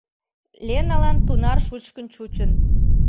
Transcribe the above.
Леналан тунар шучкын чучын.